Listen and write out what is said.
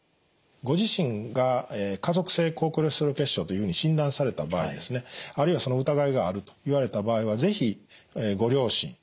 ご自身が家族性高コレステロール血症というふうに診断された場合ですねあるいはその疑いがあると言われた場合は是非ご両親